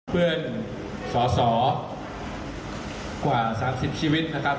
เพื่อนสอสอกว่า๓๐ชีวิตนะครับ